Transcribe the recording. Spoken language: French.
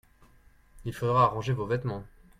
il faudra arranger vos vêtements.